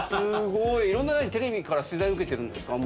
いろんなテレビから取材受けてるんですか？